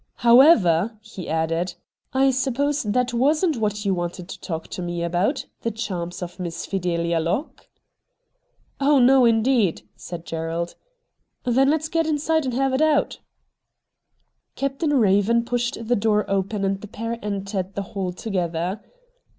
'However,' he added, 'I suppose that 88 RED DIAMONDS wasn't what you wanted to talk to me about — the charms of Miss Fideha Locke ?'' Oh no. indeed,' said Gerald. ' Then let's get inside and have it out.' Captain Eaven pushed the door open and the pair entered the hall together.